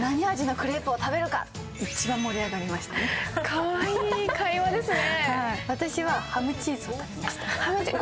かわいい会話ですね。